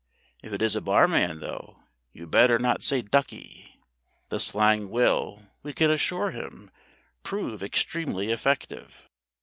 If it is a barman, though, you had better not say "ducky." The slang will, we can assure him, prove extremely effective.